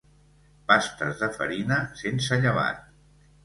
Pastes de farina sense llevat.